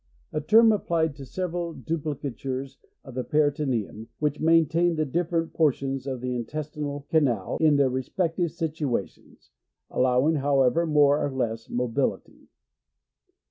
A term applied to several duplicatures of the peritoneum, winch maintain the different por tions of the intestinal canal in their respective situations; allowing, how ever, more or less mobility.